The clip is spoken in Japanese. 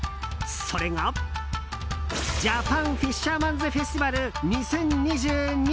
それがジャパンフィッシャーマンズフェスティバル２０２２。